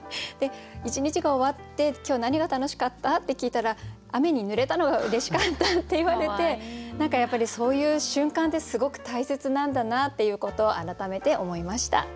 一日が終わって「今日何が楽しかった？」って聞いたら「雨にぬれたのがうれしかった」って言われて何かやっぱりそういう瞬間ってすごく大切なんだなっていうことを改めて思いました。